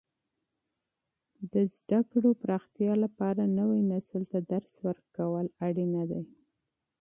د علم د پراختیا لپاره، نوي نسل ته درس ورکول ضروري دي.